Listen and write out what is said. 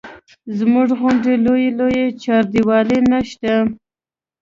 زموږ غوندې لویې لویې چاردیوالۍ نه شته.